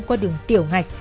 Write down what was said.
qua đường tiểu ngạch